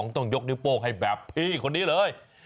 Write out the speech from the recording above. ต้องยกนิ้วโป้งให้แบบพี่คนนี้เลย